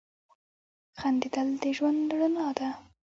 • خندېدل د ژوند رڼا ده.